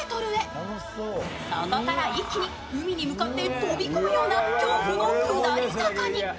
そこから一気に海に向かって飛び込むような恐怖の下り坂に。